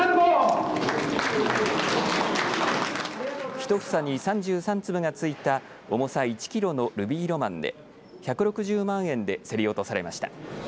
１房に３３粒がついた重さ１キロのルビーロマンで１６０万円で競り落とされました。